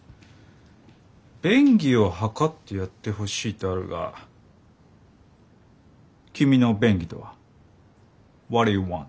「便宜を図ってやってほしい」とあるが君の「便宜」とは？